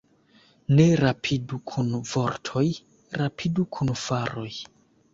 Ne rapidu kun vortoj, rapidu kun faroj.